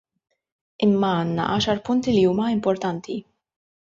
Imma għandna għaxar punti li huma importanti.